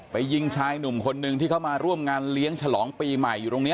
ยิงชายหนุ่มคนหนึ่งที่เข้ามาร่วมงานเลี้ยงฉลองปีใหม่อยู่ตรงนี้